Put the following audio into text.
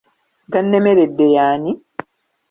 Gannemeredde y'ani?